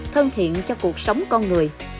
thân thiện cho cuộc sống con người